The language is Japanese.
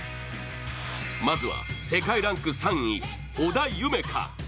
まずは世界ランク３位織田夢海。